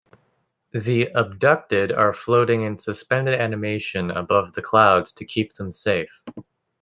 The "abducted" are floating in suspended animation above the clouds to keep them safe.